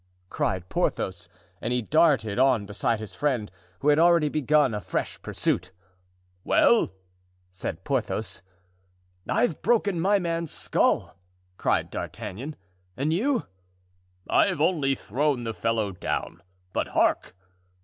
cried Porthos. And he darted on beside his friend, who had already begun a fresh pursuit. "Well?" said Porthos. "I've broken my man's skull," cried D'Artagnan. "And you——" "I've only thrown the fellow down, but hark!"